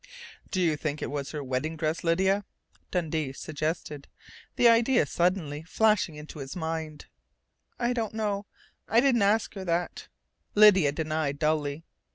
"Do you think it was her wedding dress, Lydia?" Dundee suggested, the idea suddenly flashing into his mind. "I don't know. I didn't ask her that," Lydia denied dully.